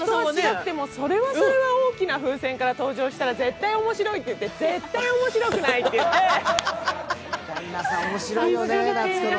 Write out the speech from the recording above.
それはそれは大きな風船から登場したら絶対面白いって言って、絶対面白くないって言って。